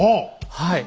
はい。